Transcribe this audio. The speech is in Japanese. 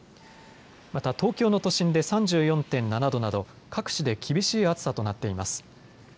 また、東京の都心で３４．７度など各地で厳しい暑さとなっています。